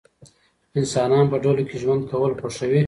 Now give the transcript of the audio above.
انسانان په ډلو کې ژوند کول خوښوي.